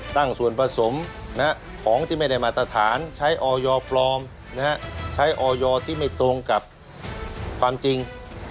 ตั้งส่วนผสมของที่ไม่ได้มาตรฐานใช้ออยปลอมใช้ออยที่ไม่ตรงกับความจริง